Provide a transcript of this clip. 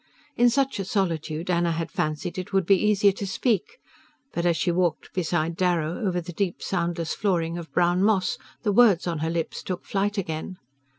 In such a solitude Anna had fancied it would be easier to speak; but as she walked beside Darrow over the deep soundless flooring of brown moss the words on her lips took flight again.